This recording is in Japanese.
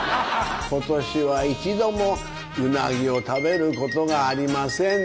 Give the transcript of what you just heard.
今年は一度もうなぎを食べることがありませんでしたね。